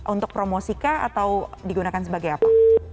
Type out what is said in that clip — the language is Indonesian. untuk promosikah atau digunakan sebagai apa